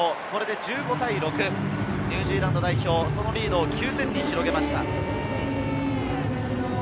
１５対６、ニュージーランド代表、リードを９点に広げました。